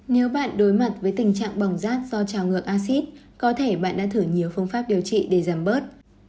nếu bạn đối mặt với tình trạng bỏng rác do trào ngược acid có thể bạn đã thử nhiều phương pháp điều trị để giảm bớt